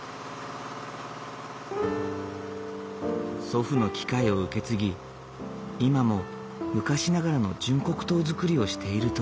祖父の機械を受け継ぎ今も昔ながらの純黒糖作りをしている渡久地さん。